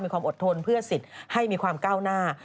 ความอดทนเพื่อสิทธิ์ให้มีความก้าวหน้า